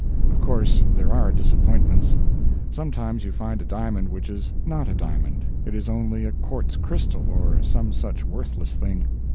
Of course there are disappointments. Sometimes you find a diamond which is not a diamond; it is only a quartz crystal or some such worthless thing.